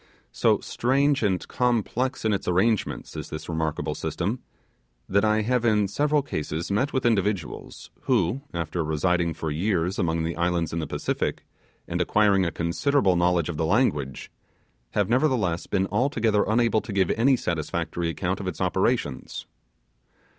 So strange and complex in its arrangements is this remarkable system, that I have in several cases met with individuals who, after residing for years among the islands in the Pacific, and acquiring a considerable knowledge of the language, have nevertheless been altogether unable to give any satisfactory account of its operations.